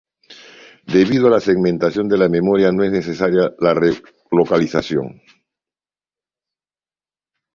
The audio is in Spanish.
Debido a la segmentación de la memoria no es necesaria la relocalización.